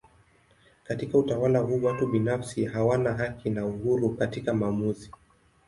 Katika utawala huu watu binafsi hawana haki na uhuru katika maamuzi.